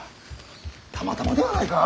たまたまではないか。